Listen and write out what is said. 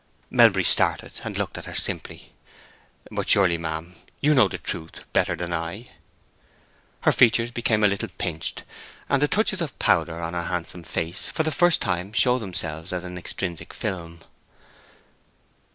Melbury started, and looked at her simply. "But surely, ma'am, you know the truth better than I?" Her features became a little pinched, and the touches of powder on her handsome face for the first time showed themselves as an extrinsic film.